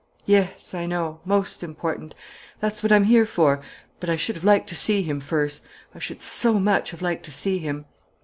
"Yes ... I know ... most important. That's what I'm here for. But I should have liked to see him first. I should so much have liked to see him!"